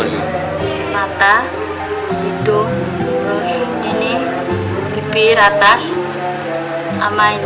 mata hidung bibir atas kening